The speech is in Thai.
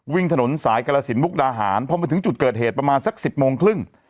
วิ่งถนนสายกรสินมุกดาหารพอมาถึงจุดเกิดเหตุประมาณสัก๑๐โมงครึ่ง